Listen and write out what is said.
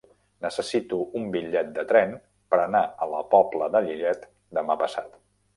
Necessito un bitllet de tren per anar a la Pobla de Lillet demà passat.